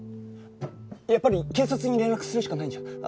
やっぱり警察に連絡するしかないんじゃ？